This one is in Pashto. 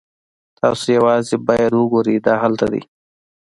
تاسو یوازې باید وګورئ دا هلته دی